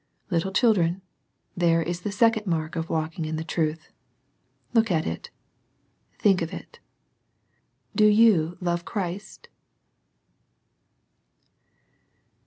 Little children, there is the second mark of walking in truth. Look at it Think of it. Do you love Christ